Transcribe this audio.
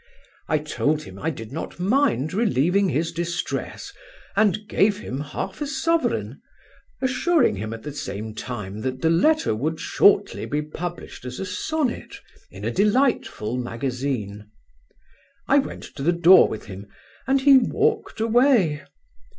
I told him I did not mind relieving his distress, and gave him half a sovereign, assuring him at the same time that the letter would shortly be published as a sonnet in a delightful magazine. I went to the door with him, and he walked away.